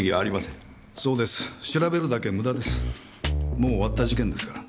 もう終わった事件ですから。